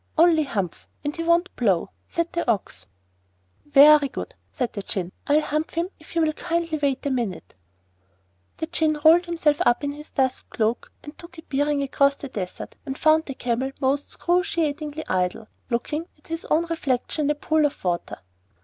'Only "Humph!"; and he won't plough,' said the Ox. 'Very good,' said the Djinn. 'I'll humph him if you will kindly wait a minute.' The Djinn rolled himself up in his dust cloak, and took a bearing across the desert, and found the Camel most 'scruciatingly idle, looking at his own reflection in a pool of water.